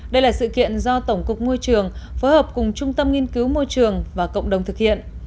đây là sự kiện do tổng cục môi trường phối hợp cùng trung tâm nghiên cứu môi trường và cộng đồng thực hiện